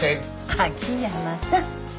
秋山さん。